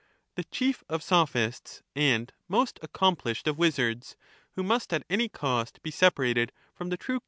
The chief of Sophists and most accomplished of He must be wizards, who must at any cost be separated from the true